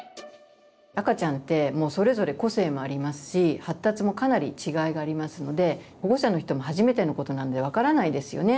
赤ちゃんってもうそれぞれ個性もありますし発達もかなり違いがありますので保護者の人も初めてのことなんで分からないですよね。